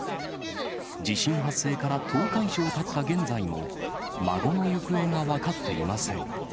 地震発生から１０日以上たった現在も、孫の行方が分かっていません。